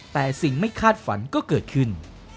แต่สิ่งไม่คาดฝันก็เกิดขึ้น